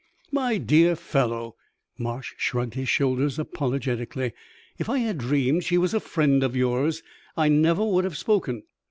"My dear fellow" Marsh shrugged his shoulders apologetically "if I had dreamed she was a friend of yours, I never would have spoken."